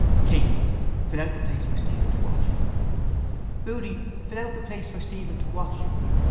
—Katey, fill out the place for Stephen to wash. —Boody, fill out the place for Stephen to wash.